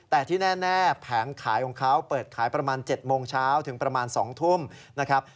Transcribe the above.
แต่ที่แน่แผงขายของเขาเปิดขายประมาณ๗โมงเช้าถึงประมาณ๒ทุ่มนะครับ